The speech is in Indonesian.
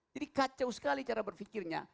jadi kacau sekali cara berpikirnya